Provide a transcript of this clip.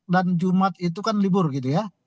dan jumat itu kan libur gitu ya